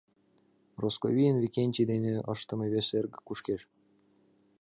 Росковийын Викентий дене ыштыме вес эрге кушкеш.